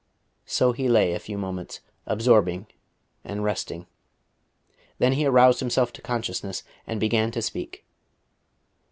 So he lay a few moments, absorbing and resting. Then he aroused himself to consciousness and began to speak.